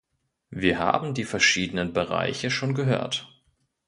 Wir haben die verschiedenen Bereiche schon gehört.